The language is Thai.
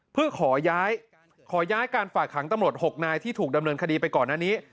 เพื่อขอย้ายการฝากขังตำรวจ๖นายที่ถูกดำเนินคดีไปก่อนหน้านี้